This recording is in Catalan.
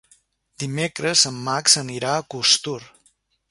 Dimecres en Max anirà a Costur.